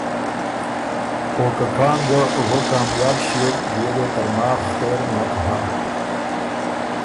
او که کان ګۀ وۀ کامیاب ݭیوک بيې دې ترماخ خېر نک هۀ۔